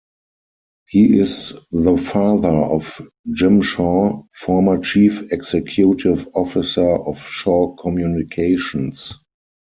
He is the father of Jim Shaw, former chief executive officer of Shaw Communications.